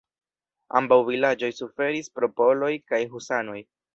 Ambaŭ vilaĝoj suferis pro poloj kaj husanoj.